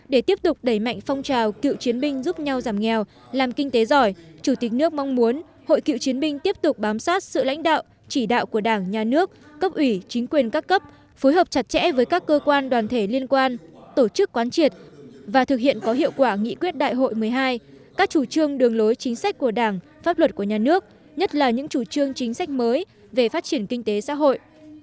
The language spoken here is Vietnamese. để tiếp tục đẩy mạnh phong trào cựu chiến binh giúp nhau giảm nghèo làm kinh tế giỏi chủ tịch nước mong muốn hội cựu chiến binh tiếp tục bám sát sự lãnh đạo chỉ đạo của đảng nhà nước cấp ủy chính quyền các cấp phối hợp chặt chẽ với các cơ quan đoàn thể liên quan tổ chức quán triệt và thực hiện có hiệu quả nghị quyết đại hội một mươi hai các chủ trương đường lối chính sách của đảng pháp luật của nhà nước nhất là những chủ trương chính sách mới về phát triển kinh tế xã hội